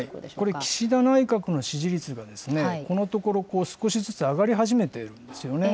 これ、岸田内閣の支持率がこのところ、少しずつ上がり始めているんですよね。